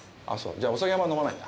じゃあお酒あんま飲まないんだ。